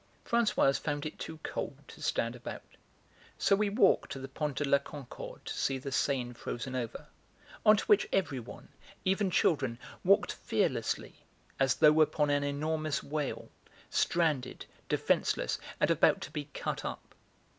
Françoise found it too cold to stand about, so we walked to the Pont de la Concorde to see the Seine frozen over, on to which everyone, even children, walked fearlessly, as though upon an enormous whale, stranded, defenceless, and about to be cut up.